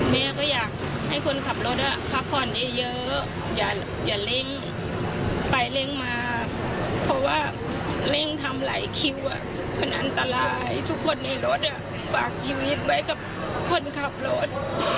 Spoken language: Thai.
แม่ก็อยากให้คนขับรถพักผ่อนเยอะอย่าเร่งไปเร่งมาเพราะว่าเร่งทำหลายคิวมันอันตรายทุกคนในรถฝากชีวิตไว้กับคนขับรถ